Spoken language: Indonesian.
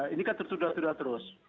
ini kan tertudah tudah terus